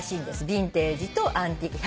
ビンテージとアンティーク。